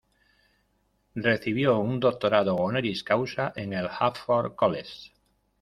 Recibió un doctorado honoris causa en el Haverford College.